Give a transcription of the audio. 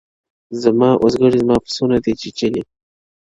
زما اوزگړي زما پسونه دي چیچلي-